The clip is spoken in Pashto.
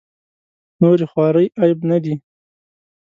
نورې خوارۍ عیب نه دي.